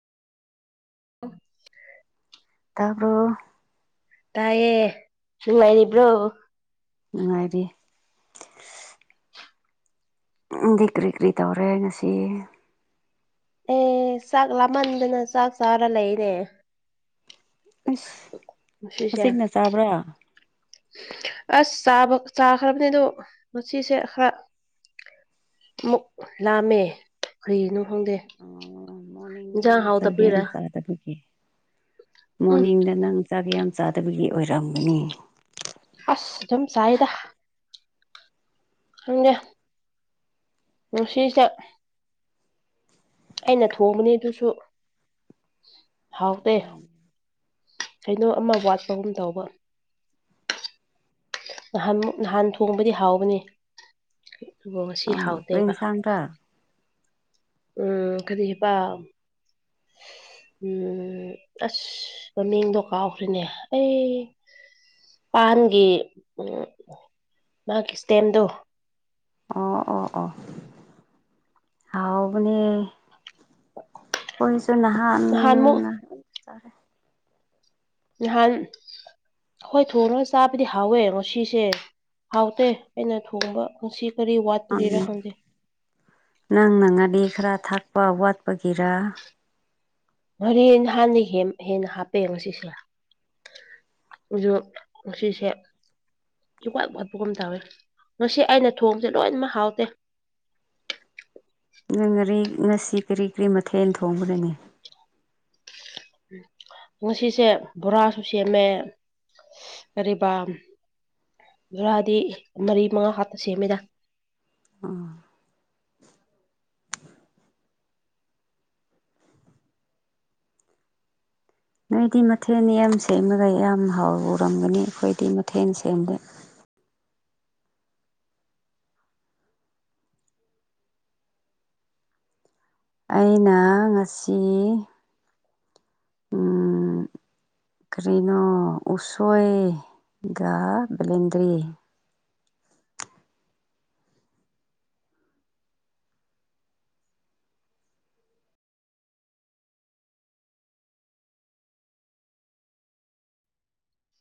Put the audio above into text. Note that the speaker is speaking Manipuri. [unintelligible] ꯇꯥꯄꯣ ꯇꯑꯌꯦꯦ ꯆꯨꯝꯥꯏꯅꯤꯕ꯭ꯔꯣ ꯅꯨꯡꯉꯥꯏꯔꯤ ꯗꯤ ꯀ꯭ ꯔꯤ ꯀ꯭ꯔꯤ ꯇꯧꯔꯦ ꯉꯁꯤ ꯑꯦ ꯆꯥꯛ ꯂꯥꯃꯟꯗꯅ ꯆꯥꯛ ꯆꯥꯔ ꯂꯩꯅꯦ ꯑꯁ ꯍꯧꯖꯤꯛꯅ ꯆꯥꯕ꯭ꯔꯥ ꯑꯁꯥꯕ ꯆꯥꯈ꯭ꯔꯕꯅꯤ ꯑꯗꯣ ꯉꯁꯦ ꯈꯔ ꯃꯛ ꯂꯃꯦ ꯀꯔꯤꯅꯣ ꯈꯪꯗꯦ ꯃꯣꯔꯅꯤꯡꯗ ꯏꯟꯁꯥꯡ ꯅꯪ ꯍꯥꯎ ꯆꯥꯛ ꯌꯥꯝ ꯇꯞꯄꯤꯔꯥ ꯃꯣꯔꯅꯤꯡꯗ ꯅꯪ ꯆꯥꯛꯒ ꯌꯥꯝ ꯆꯥꯗꯕꯒꯤ ꯑꯣꯏꯔꯛꯑꯝꯒꯅꯤ ꯑꯁ ꯏ ꯊꯝ ꯁꯥꯏꯙ ꯑ ꯔꯨꯁꯤ ꯆ ꯑꯩꯅ ꯊꯣꯡꯕꯅꯤ ꯑꯗꯨꯁꯨ ꯍꯥꯎꯇꯦ ꯀꯩꯅꯣ ꯑꯃ ꯋꯥꯠꯄꯒꯨꯝ ꯇꯧꯕ ꯅꯍꯥꯟꯨꯛ ꯅꯍꯥꯟ ꯊꯣꯡꯕꯗꯤ ꯍꯥꯎꯕꯅꯤ ꯑꯗꯨꯒꯣꯡꯁꯤ ꯍꯥꯎꯇꯦꯕ ꯁꯪ ꯎꯝ ꯀꯗꯤ ꯍꯥꯏ ꯄ ꯎꯝ ꯑꯁ ꯃꯃꯤꯡꯗꯣ ꯀꯥꯎꯈ꯭ꯔꯤꯦꯅꯦ ꯑꯩ ꯄꯥꯟꯒꯤ ꯃꯥꯒꯤ ꯏꯁꯇꯦꯝꯗꯨꯣ ꯑꯣ ꯑꯣ ꯑꯣ ꯍꯥꯎꯥꯎꯕ ꯀꯁꯨ ꯅꯍꯥꯛ ꯍꯥꯟꯃꯨ ꯐꯔꯦ ꯅꯍꯥꯟ ꯍꯣꯏ ꯊꯣꯡꯉꯒ ꯆꯥꯕꯗꯤ ꯍꯥꯎꯋꯦ ꯉꯟꯁꯤꯁꯦ ꯍꯥꯎꯇꯦ ꯑꯩꯅ ꯊꯣꯡꯕ ꯉꯅꯨꯡꯁꯤ ꯇꯔꯤ ꯋꯥ ꯇꯨꯔ ꯍꯣꯟꯦ ꯅꯪꯅꯉꯗꯤ ꯈꯔ ꯊꯥꯛꯄ ꯋꯥꯠꯄꯒꯤꯔ ꯃꯣꯔ ꯅꯍꯥꯟꯅ ꯍꯦꯟꯅ ꯍꯥꯞꯄꯦ ꯉꯁꯤꯁꯤꯦ ꯁꯨꯣ ꯑꯣꯁꯤꯁꯦ ꯏꯋꯥꯠ ꯋꯥꯠꯄꯒꯨꯝ ꯇꯧꯋꯦ ꯉꯁꯤ ꯑꯩꯅ ꯊꯣꯡꯁꯦ ꯂꯣꯏꯅꯃꯛ ꯍꯥꯎꯇꯦ ꯅꯪ ꯉꯔꯤ ꯉꯁꯤ ꯀꯔꯤ ꯀꯔꯤ ꯃꯊꯦꯜ ꯊꯣꯡꯕꯅꯅꯤ ꯎ ꯉꯁꯤꯁꯦ ꯕꯣꯔꯥꯁꯨ ꯁꯦꯝꯃꯦ ꯀꯔꯤꯕ ꯔꯥꯗꯤ ꯃꯔꯤ ꯃꯉꯥ ꯍꯥꯠꯇ ꯁꯦꯝꯃꯤꯗ ꯑꯥ ꯅꯣꯏꯗꯤ ꯃꯊꯦꯜꯅꯤ ꯌꯥꯝ ꯁꯦꯝꯕꯒ ꯌꯥꯝ ꯍꯥꯎꯔꯔꯝꯒꯅꯤ ꯑꯩꯈꯣꯏꯗꯤ ꯃꯊꯦꯜ ꯁꯦꯝꯗꯦ ꯑꯩꯅ ꯉꯁꯤ ꯑ ꯀ꯭ꯔꯤꯅꯣ ꯎꯁꯣꯏꯒ ꯕꯂꯦꯟꯗ꯭ꯔꯤ